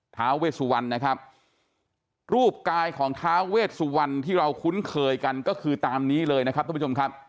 ท้าเวสุวรรณนะครับรูปกายของท้าเวชสุวรรณที่เราคุ้นเคยกันก็คือตามนี้เลยนะครับทุกผู้ชมครับ